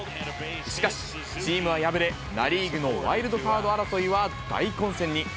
しかしチームは敗れ、ナ・リーグのワイルドカード争いは大混戦に。